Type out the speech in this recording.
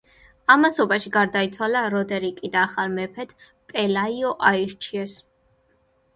ამასობაში გარდაიცვალა როდერიკი და ახალ მეფედ პელაიო აირჩიეს.